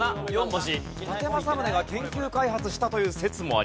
伊達政宗が研究開発したという説もあります。